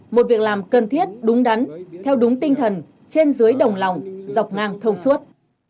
một việc làm cần thiết đúng đắn theo đúng tinh thần trên dưới đồng lòng dọc ngang thông suốt